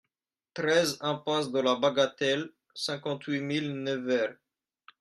treize impasse de la Bagatelle, cinquante-huit mille Nevers